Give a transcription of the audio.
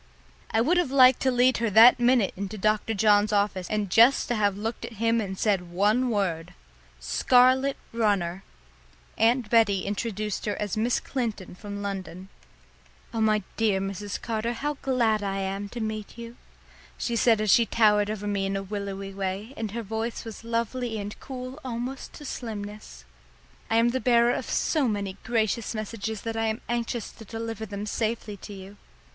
I would have liked to lead her that minute into Dr. John's office and just to have looked at him and said one word "Scarlet runner!" Aunt Betty introduced her as Miss Clinton from London. "Oh, my dear Mrs. Carter, how glad I am to meet you!" she said as she towered over me in a willowy way, and her voice was lovely and cool almost to slimness. "I am the bearer of so many gracious messages that I am anxious to deliver them safely to you.